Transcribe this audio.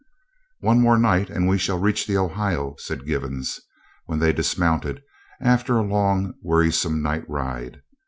"One more night and we shall reach the Ohio," said Givens, when they dismounted after a long, wearisome night ride.